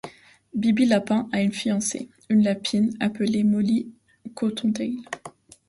Bibi Lapin a une fiancée, une lapine, appelée Molly Cottontail.